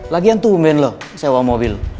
lagian tuh ben lo sewa mobil